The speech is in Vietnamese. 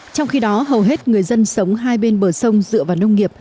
trong khi đó hầu hết người dân sống hai bên bờ sông dựa vào nông nghiệp